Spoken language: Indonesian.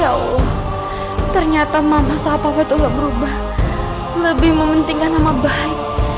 ya allah ternyata mama saat apa watol prohibakah lebih mementingkan nama baik